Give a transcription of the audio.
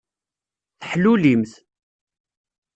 Teḥlulimt.